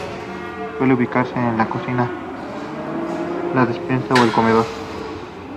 Suele ubicarse en la cocina, la despensa o el comedor.